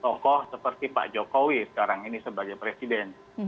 dan memiliki tokoh seperti pak jokowi sekarang ini sebagai presiden